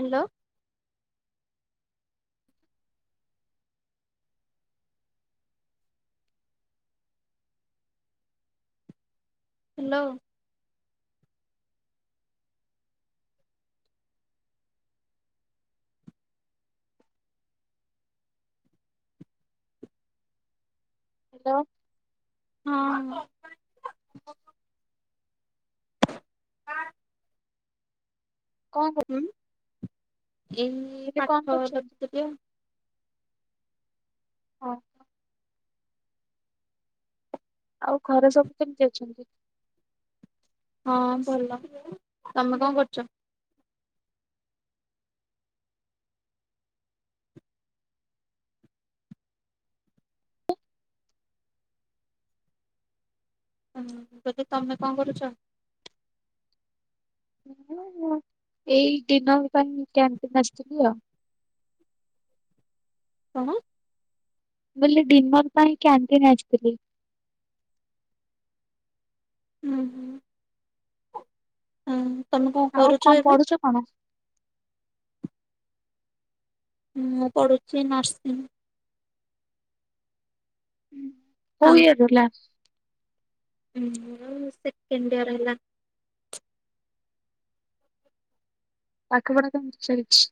Hello. Hello hello. ହଁ। [unintelligible] କଁ। ହୁଁ ଏମିତି କରୁଥିଲେ କଣ ପାଠ କରୁଛନ୍ତି? ଲେଖିଥିଲି ଆଉ। ହଁ। ଆଉ ଘରେ ସବୁ କେମିତି ଅଛନ୍ତି? ହଁ ଭଲ ତମେ କଣ କରୁଛ? ହୁଁ ତମେ କଣ କରୁଛ? ମୁଁ ମୁଁ ଏଇ ଦିନଙ୍କ ପାଇଁ କ୍ୟାଣ୍ଟିନ୍ ଆସିଥିଲି ଆଉ। କଣ? ମୁଁ କହିଲି ଡିନର୍ ପାଇଁ କ୍ୟାଣ୍ଟିନ୍ ଆସିଥିଲି। ହୁଁ ହୁଁ। ହଁ ତମେ କଣ କରୁଛ ଏବେ? ହଁ। ହୁଁ ମୁଁ ପଢୁଛି ନର୍ସିଂ। ହୁଁ। କୋଉ ଆଉ ୟେର୍ ହେଲା? ମୋର ସେକେଣ୍ଡ ୟେର ହେଲା। ପାଠପଢ଼ା କେମିତି ଚାଇଛି?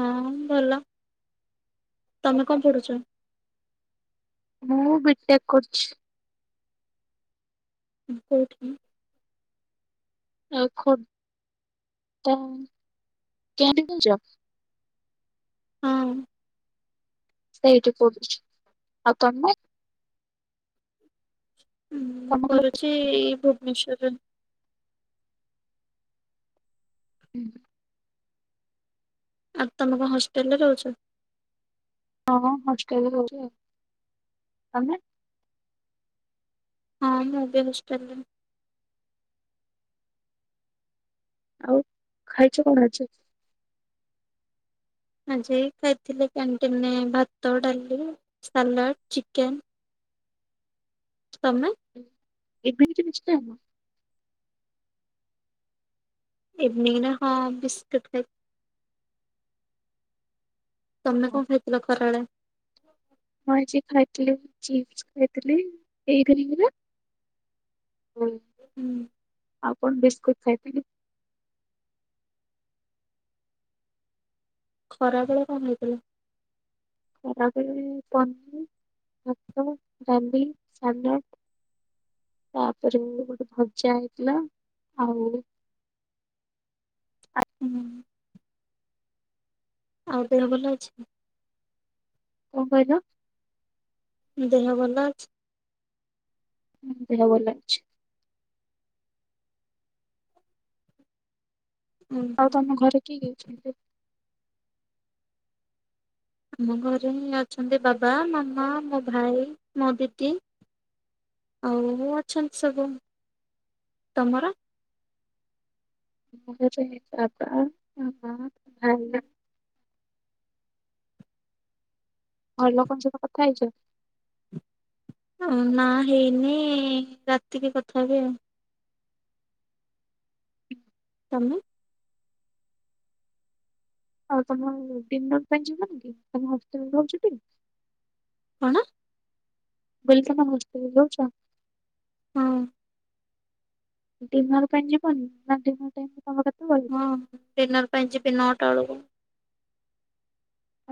ହଁ ଭଲ, ତମେ କଣ ପଢୁଛ? ମୁଁ ବିଟେକ୍ କରୁଛି। ଉଁ କୋଉଠି? ଆ ଖୋ ଦା [unintelligible] ହଁ। ସେଇଠି ପଢୁଛି, ଆଉ ତମେ? ହୁଁ, ମୁଁ ତମ କଣ କରୁଛି ଏଇ ଭୁବନେଶ୍ୱରରେ। ହୁଁ ଆଉ ତମେ କଣ ହଷ୍ଟେଲ୍ ରେ ରହୁଛ? ହଁ ହଷ୍ଟେଲ ରହୁଛି ଆଉ। ତମେ? ହଁ ମୁଁ ବି ହଷ୍ଟେଲ ରେ। ଆଉ ଖାଇଛ କଣ ଆଜି? ଆଜି ଖାଇଥିଲି କ୍ୟାଣ୍ଟିନ ରେ ଭାତ, ଡାଲି, ସାଲାଡ୍, ଚିକେନ୍। ତମେ? ଏବେ ବି ଜିନିଷଟା ଆଣିନ? ଇଭିନିଙ୍ଗରେ ହଁ ବିସ୍କୁଟ୍ ଖାଇ ତମେ କଣ ଖାଇଥିଲ ଖରାବେଳେ? ମୁଁ ଆଜି ଖାଇଥିଲି ଚିପ୍ସ ଖାଇଥିଲି ଏଇ ଇଭିନିଙ୍ଗରେ। ହୋଇ, ହୁଁ। ଆଉ କଣ? ବିସ୍କୁଟ ଖାଇଥିଲି। ଖରାବେଳେ କଣ ହେଇଥିଲା? ଖରାବେଳେ ପନିର, ଭାତ, ଡାଲି, ସାଲଡ୍। ତାପରେ ଗୋଟେ ଭଜା ହେଇଥିଲା, ଆଉ ହୁଁ। ଆଉ ଦେହ ଭଲ ଅଛି? କଣ କହିଲ? ଦେହ ଭଲ ଅଛି? ହୁଁ ଦେହ ଭଲ ଅଛି। ଉଁ ଆଉ ହୁଁ। ତମ ଘରେ କିଏ କିଏ ଅଛନ୍ତି? ଆମ ଘରେ ହିଁ ଅଛନ୍ତି ବାବା, ମାମା, ମୋ ଭାଇ, ମୋ ଦିଦି ଆଉ ଅଛନ୍ତି ସବୁ, ତମର? ମୋର ଅଛନ୍ତି ବାବା, ମାମା, ଭାୟା। ଘର ଲୋକଙ୍କ ସହିତ କଥାହେଇଛ? ନା ହେଇନି? ରାତିକି କଥା ହେବି ଆଉ। ତମେ? ଆଉ ତମ ଡିିନର ପାଇଁ ଯିବନି କି? ତମେ ହଷ୍ଟେଲ ରେ ରହୁଛଟି? କଣ? ମୁଁ କହିଲି ତମ ହଷ୍ଟେଲ ଯାଉଛ? ହଁ ଡିନର ପାଇଁ ଯିବନି? ନା ଡିନର ଟାଇମରେ ତମର କେତେବେଳେ? ହଁ ଡିନର୍ ପାଇଁ ଯିବି ନ ଟା ଏଳକୁ।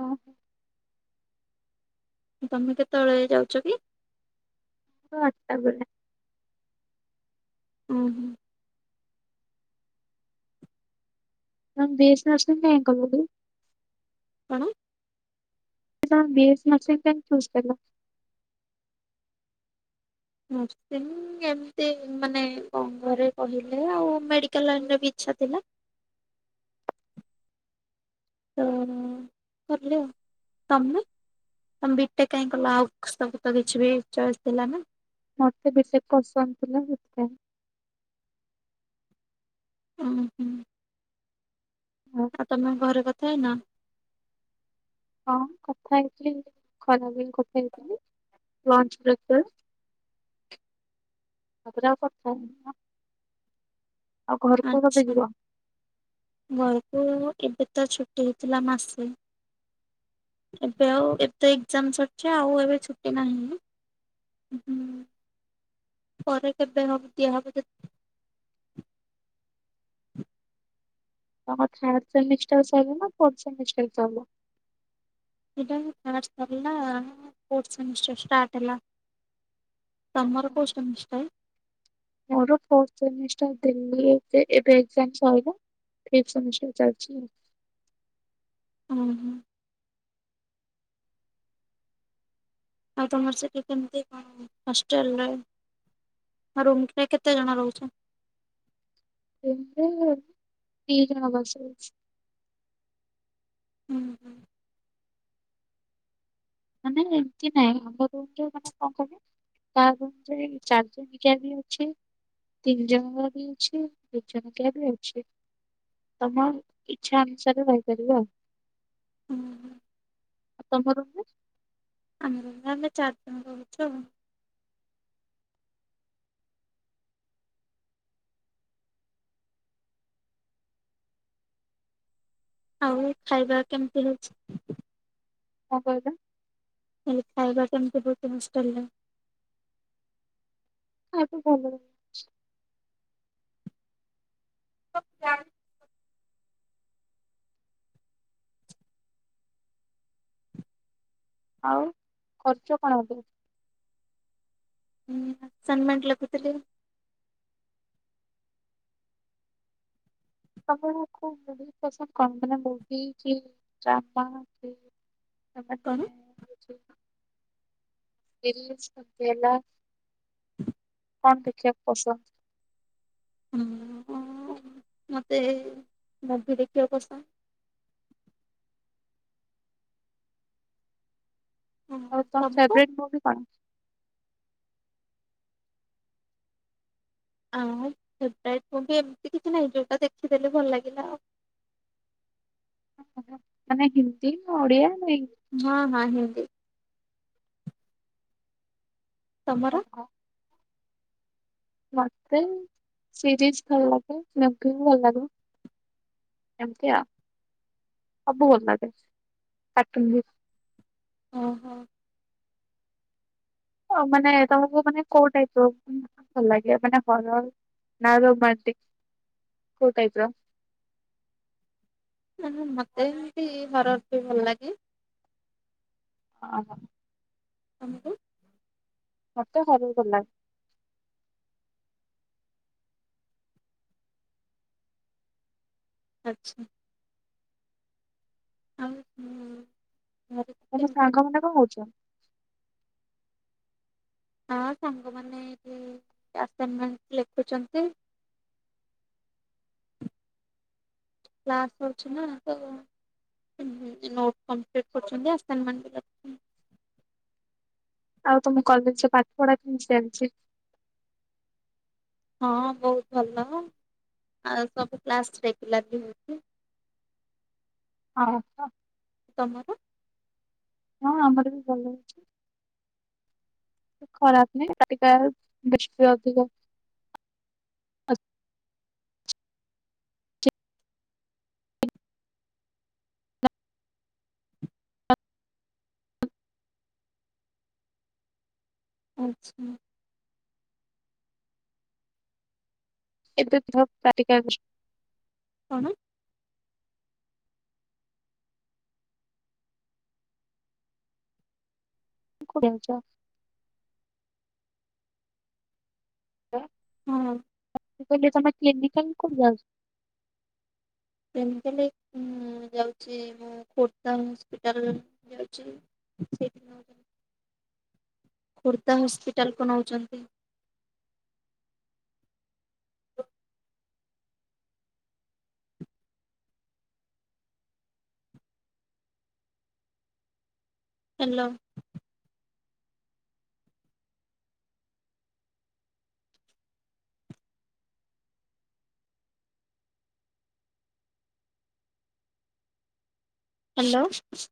ଅହଃ। ତମେ କେତେବେଳେ ଯାଉଛ କି? ମୁଁ ଆଠ ଟା ବେଳେ। ଉଁ ହୁଁ। ତମେ ବି ଏସ ନାଲ୍ ସିମ୍ କାହିଁକି କଲ କି? କଣ? ତମେ ବି ଏସ ନାଲ ସିମ୍ କାହିଁକି ଚୁଜ କଲ? ନର୍ସିଂ ଏମିତି ମାନେ କଣ ଘରେ କହିଲେ ଆଉ ମେଡ଼ିକାଲ ଲାଇନ ରେ ବି ଇଚ୍ଛା ଥିଲା। ଆଉ କରଲେ ଆଉ, ତମେ? ତମେ ବିଟେକ୍ କାହିଁକି କଲ? ଆଉ ସବୁ ତ କିଛି ବି ଚଏସ୍ ଥିଲା ନା। ମତେ ବିଟେକ୍ ପସନ୍ଦ ଥିଲା ସେଥିପାଇଁ। ଉଁ ହୁଁ। ହଁ ଆଉ ତମେ ଘରେ କଥା ହେଇନ? ହଁ କଥା ହେଇଥିଲି। ଖରାବେଳେ କଥା ହେଇଥିଲି। ଲଞ୍ଚ ବ୍ରେକରେ, ତା ପରେ ଆଉ କଥା ହେଇନି ଆଉ। ଆଉ ଘରକୁ କେବେ ଆଚ୍ଛା, ଯିବ? ଘରକୁ ଏବେ ତ ଛୁଟି ହେଇଥିଲା ମାସେ। ଏବେ ଆଉ ଏବେ ତ ଏକଜାମ ସରିଛି, ଆଉ ଏବେ ଛୁଟି ନାହିଁ। ହୁଁ ପରେ କେବେ ହବ ଦିଆ ହବ ଦେ ତମର ଥାଡ ସେମିଷ୍ଟାର ସଇଲା ନା ଫୋର୍ଥ ସେମିଷ୍ଟାର ସଇଲା? ସେଇଟା ହିଁ ଥାର୍ଡ଼ ସରିଲା। ଫୋର୍ଥ ସେମିଷ୍ଟାର ଷ୍ଟାର୍ଟ ହେଲା। ତମର କୋଉ ସେମିଷ୍ଟର? ମୋର ଫୋର୍ଥ ସେମିଷ୍ଟାର ଦେଲି। ଏବେ ଏବେ ଏକଜାମ ସଇଲା। ଫିପଥ ସେମିଷ୍ଟାର ଚାଲଚି। ଅଂହ। ଆଉ ତମର ସେଠି କେମତି କଣ ହଷ୍ଟେଲରେ? ରୁମ କେ କେତେ ଜଣ ରହୁଛ? ରୁମରେ ଦି ଜଣ ବାସ ଅଛୁ। ହୁଁ ହୁଁ। ମାନେ ଏମତି ନାଇଁ। ଆମ ରୁମରେ ମାନେ କଣ କହିଲେ? ତା ରୁମ [unintelligible] ତିନି ଜଣଙ୍କର ବି ଅଛି। ଦି ଜଣ କିଆ ବି ଅଛି। ତମ ଇଚ୍ଛା ଅନୁସାରେ ରହିପାରିବ ଆଉ। ଉଁ ହୁଁ। ଆଉ ତମ ରୁମରେ? ଆମ ରୁମରେ ଆମେ ଚାରିଜଣ ରହୁଛୁ ଆଉ। ଆଉ ଖାଇବା କେମିତି ଲାଗୁଛି? କଣ କହିଲ? ଆଉଁ ଖାଇବା କେମିତି ରହୁଛି ହଷ୍ଟଲେରେ? କାହାକୁ କହୁଛନ୍ତି? ସ [inaudible] ଆଉଁ ଖର୍ଚ୍ଚ କଣ ଏବେ? ମୁଁ ଆସଇନମେଣ୍ଟ ଲେଖୁଥିଲି। ସ ମୁଭି ପସନ୍ଦ କରନ୍ତି ମାନ ମୁଭି କି ଡ୍ରାମା [inaudible] ପ କଣ [inaudible] [inaudible] କଣ ଦେଖିବାକୁ ପସନ୍ଦ? ହଁ ଅଁ ମୋତେ ମୁଭି ଦେଖିବାକୁ ପସନ୍ଦ। ହଁ ଆଉ ତମ ତମକୁ? ଫେବରେଟ୍ ମୁଭି କଣ? ଆଉଁ ଫେବେରାଇଟ ମୁଭି ଏମିତି କିଛି ନାହିଁ ଯୋଉଟା ଦେଖିଦେଲି ଭଲ ଲାଗିଲା ଆଉ। ମାନେ ହିନ୍ଦୀ ଓଡିଆ ନେଇଁକି। ହଁ ହଁ ହିନ୍ଦୀ। ତମର? ମତେ ସିରିଏସ ଭଲ ଲାଗେ। ମୁଭି ଭଲ ଲାଗେ। ଏମିତି ଆଉ ସବୁ ଭଲ ଲାଗେ କାଟୁନ ବି। ଓ ହୋ। ଓ ମାନେ ତମକୁ ମାନେ କୋଉଟାଇପର ମୁଭି ଭଲ ଲାଗେ ମାନେ କଲର ନାଁ ରୋମାଣ୍ଟିକ କୋଉଁ ଟାଇପର? ନାଁ ମତେ ଏମିତି ହରର ବି ଭଲ ଲାଗେ। ଓ ହୋ। ତମକୁ ମୋତେ ହରୁ ଭଲ ଲାଗେ। ଆଚ୍ଛା। ଆଉ। ହୁଁ। ତମ ସାଙ୍ଗମାନେ କଣ କରୁଛନ୍ତି? ହଁ ସାଙ୍ଗମାନେ ଏଠିଁ ଆସାଇନମେଣ୍ଟ ଲେଖୁଛନ୍ତି। କ୍ଲାସ୍ ହଉଛି ନାଁ କେଇଁ ଜାଣି? ହଁଁ ନୋଟ ଫୋନ ପେଁକ କରୁଛନ୍ତି ଆସାଇନମେଣ୍ଟ ଲେଖୁଛନ୍ତି। ଆଉ ତମ କଲେଜ ଝିଅ ପାଠ ପଢା କେମିତି ଚାଣିଛି? ହଁ ବହୁତ ଭଲ ଆଉ ସବୁ କ୍ଲାସ ରେଗୁଲାର ବି ହେଉଛି। ଅଁ ହଁ। ତମର? ହଁ ଆମର ବି ଭଲ ଅଛି। ଖରା ଦିନେ ପାଟି ଘାଆଁ ବେଶୀ ଅଧିକ ହୁଏ। ଆଚ୍ଛା। ଏନ୍ତ ପୁଂ ପ୍ ପାତିିକା ବିଷୁନ। କଣ? କୋଉଠିଁ ଅଛ? ନାଇଁମ? ହଁ ହଁ। ମୁଁ କହିଲି ତମ କ୍ଲିନିକି କାଲି କାହିଁ ଖୋଲିନ। କ୍ଲିନିକି କୁ ଖୋଲି ଯାଉଛି ମୁଁ। ଖୋଟ ହସ୍ପିଟଲ ଯାଉଚି ସେ [unintelligible] ଖୋର୍ଦ୍ଧା ହସ୍ପିଟାଲକୁ ନଉଚନ୍ତି। ହ୍ୟାଲୋ। ହ୍ୟାଲୋ।